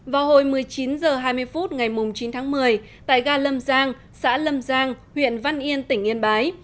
vào hồi một mươi chín h hai mươi phút ngày chín tháng một mươi tại ga lâm giang xã lâm giang huyện văn yên tỉnh yên bái